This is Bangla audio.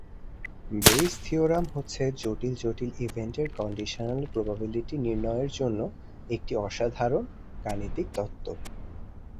বেইজ থিওরাম হচ্ছে জটিল জটিল ইভেন্টের কন্ডিশনাল প্রবাবিলিটি নির্ণয়য়ের জন্য একটি অসাধারন গানিতিক তত্ত্ব।